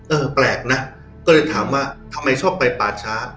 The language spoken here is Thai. แปลกนะก็เลยถามว่าทำไมชอบไปป่าช้า